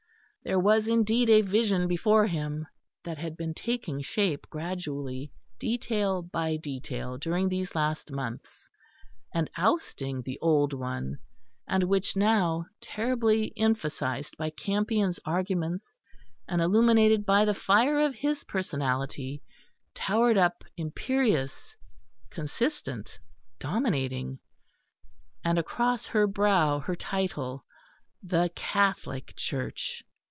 There was indeed a vision before him, that had been taking shape gradually, detail by detail, during these last months, and ousting the old one; and which now, terribly emphasised by Campion's arguments and illuminated by the fire of his personality, towered up imperious, consistent, dominating and across her brow her title, The Catholic Church.